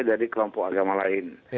dari kelompok agama lain